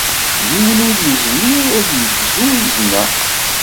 Yiwen ur yezmir ad yegzu izen-a.